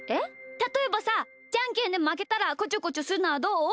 たとえばさじゃんけんでまけたらこちょこちょするのはどう？